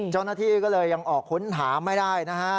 เจ้าหน้าที่ก็เลยยังออกค้นหาไม่ได้นะฮะ